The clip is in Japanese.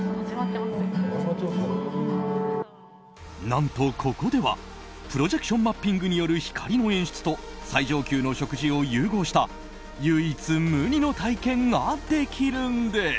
何と、ここではプロジェクションマッピングによる光の演出と最上級の食事を融合した唯一無二の体験ができるんです。